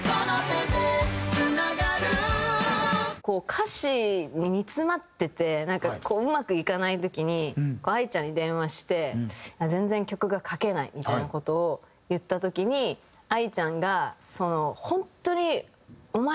歌詞に煮詰まっててなんかうまくいかない時にＡＩちゃんに電話して「全然曲が書けない」みたいな事を言った時にＡＩちゃんが。